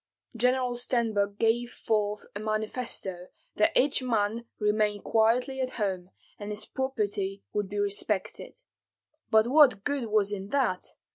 General Stenbok gave forth a manifesto that each man remain quietly at home, and his property would be respected. But what good was in that!